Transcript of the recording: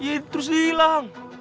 iya terus dia hilang